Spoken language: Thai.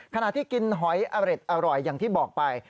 ขณะที่กินหอยอร็ดอร่อยอย่างที่บอกไป